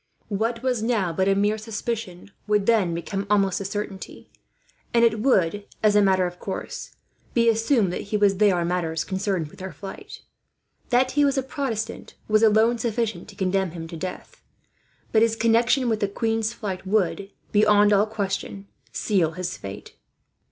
What was now but a mere suspicion, would then become almost a certainty; and it would, as a matter of course, be assumed that he was there on matters connected with her flight. That he was a Protestant was alone sufficient to condemn him to death, but his connection with the queen's flight would, beyond all question, seal his fate.